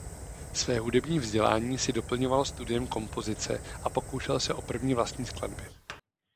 Své hudební vzdělání si doplňoval studiem kompozice a pokoušel se o první vlastní skladby.